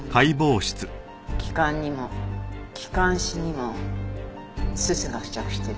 気管にも気管支にもすすが付着してる。